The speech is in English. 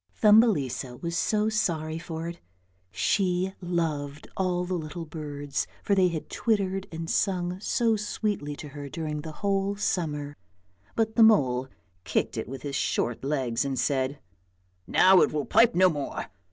Thumbelisa was so sorry for it; she loved all the little birds, for they had twittered and sung so sweetly to her during the whole summer; but the mole kicked it with his short legs and said, " Now it will pipe no more!